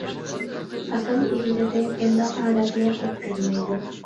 ئەقىل ئىگىلىرى بۇنداق ھالەتنى خوپ كۆرمەيدۇ.